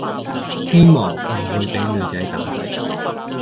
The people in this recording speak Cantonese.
希望唔會畀女仔打